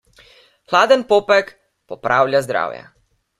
Hladen popek popravlja zdravje.